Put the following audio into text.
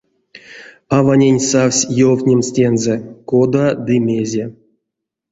Аванень савсь ёвтнемс тензэ, кода ды мезе.